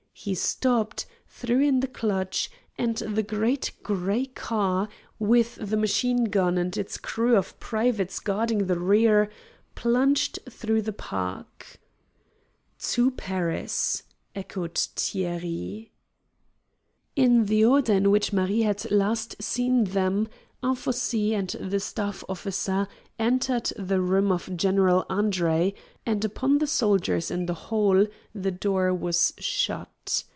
He stooped, threw in the clutch, and the great gray car, with the machine gun and its crew of privates guarding the rear, plunged through the park. "To Paris!" echoed Thierry. In the order in which Marie had last seen them, Anfossi and the staff officer entered the room of General Andre, and upon the soldiers in the hall the door was shut.